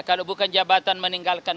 kalau bukan jabatan meninggalkan